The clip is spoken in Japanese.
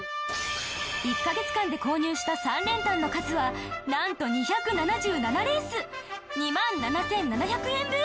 １カ月間で購入した３連単の数はなんと２７７レース２万７７００円分